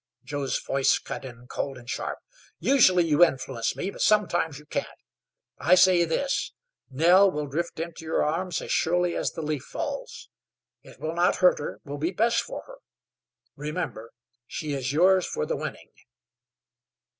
Joe's voice cut in cold and sharp. "Usually you influence me; but sometimes you can't; I say this: Nell will drift into your arms as surely as the leaf falls. It will not hurt her will be best for her. Remember, she is yours for the winning."